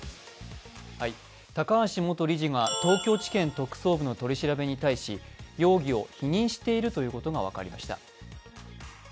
高橋元理事が東京地検特捜部の調べに対し容疑を否認しているということが分かりました。